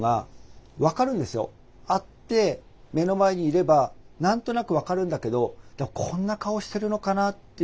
会って目の前にいれば何となく分かるんだけどこんな顔してるのかなっていう。